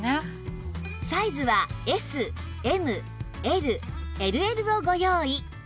サイズは ＳＭＬＬＬ をご用意